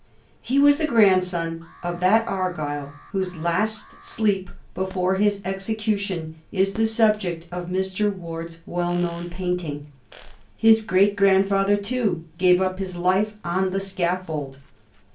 He was the grandson of that Argyll whose last sleep before his execution is the subject of Mr. Ward's well known painting ; his great grandfather, too, gave up his life on the scaffold.